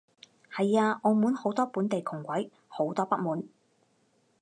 係啊，澳門好多本地窮鬼，好多不滿